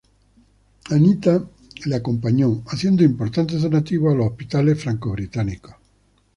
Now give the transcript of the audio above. Anita le acompañó, haciendo importantes donativos a los hospitales franco-británicos.